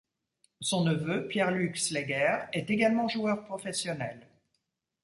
Son neveu Pierre-Luc Sleigher est également joueur professionnel.